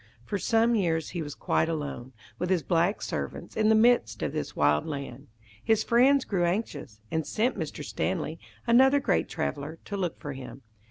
For some years he was quite alone, with his black servants, in the midst of this wild land. His friends grew anxious, and sent Mr. Stanley, another great traveller, to look for him.